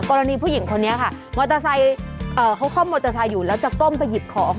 กรณีผู้หญิงคนนี้ค่ะมอเตอร์ไซค์เขาคล่อมมอเตอร์ไซค์อยู่แล้วจะก้มไปหยิบของ